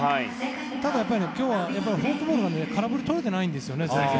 ただ、今日はフォークボールで空振りをとれていないんですよね。